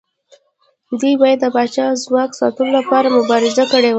دوی باید د پاچا د ځواک ساتلو لپاره مبارزه کړې وای.